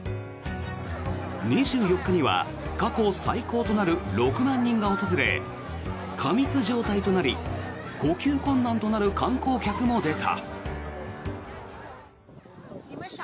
２４日には過去最高となる６万人が訪れ過密状態となり呼吸困難となる観光客も出た。